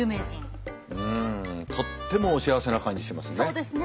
うんとってもお幸せな感じしますね。